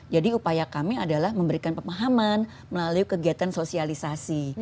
jadi upaya kami adalah memberikan pemahaman melalui kegiatan sosialisasi